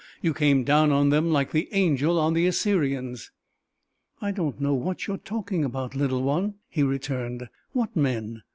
You came down on them like the angel on the Assyrians!" "I don't know what you're talking about, little one!" he returned. "What men?"